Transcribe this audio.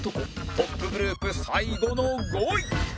トップグループ最後の５位